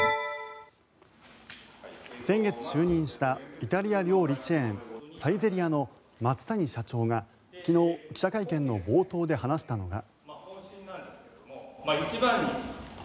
先月就任したイタリア料理チェーンサイゼリヤの松谷社長が、昨日記者会見の冒頭で話したのが。